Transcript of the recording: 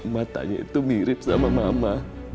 matanya itu mirip sama mama